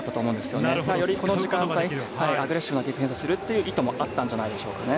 よりこの時間帯、アグレッシブなディフェンスをするという意図もあったんじゃないでしょうか。